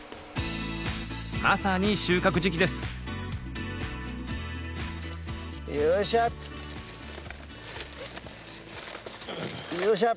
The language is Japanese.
まさに収穫時期ですよいしょよいしょ！